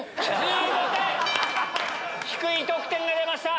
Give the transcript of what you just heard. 低い得点が出ました！